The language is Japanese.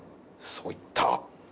そういった。